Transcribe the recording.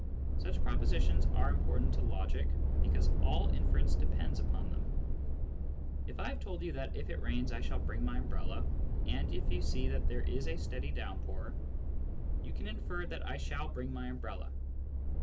§uch propositions are important to logic, because aU inference depends upon them. If I have told you that if it rains I shall bring my umbrella, and if you see that there is a steady downpour, you can infer that I shall * bring my umbrella.